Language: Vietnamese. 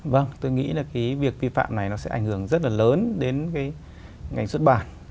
vâng tôi nghĩ là cái việc vi phạm này nó sẽ ảnh hưởng rất là lớn đến cái ngành xuất bản